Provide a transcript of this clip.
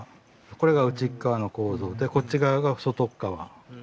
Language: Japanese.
これが内っ側の構造でこっち側が外っ側。